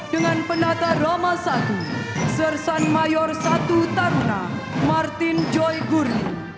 dengan penata roma satu sersan mayor satu taruna martin joy guri